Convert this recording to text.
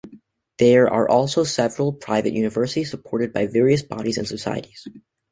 There are also several private universities supported by various bodies and societies.